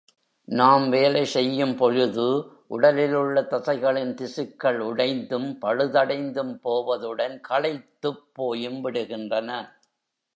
நாம் வேலை செய்யும் பொழுது உடலில் உள்ள தசைகளின் திசுக்கள் உடைந்தும், பழுதடைந்தும் போவதுடன், களைத்துப் போயும் விடுகின்றன.